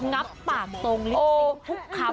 งับปากตรงลิฟท์ทุกคำ